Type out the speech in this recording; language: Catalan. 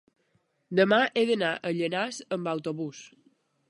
demà he d'anar a Llanars amb autobús.